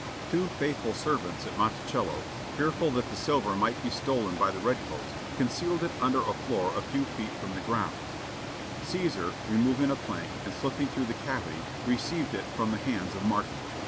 Two faithful servants at Monticello, fearful that the silver might be stolen by the red coats, concealed it under a floor a few feet from the ground; Cæsar, removing a plank, and slipping through the cavity, received it from the hands of Martin.